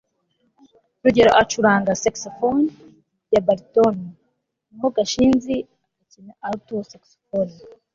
rugeyo acuranga saxofone ya baritone naho gashinzi akina alto saxofone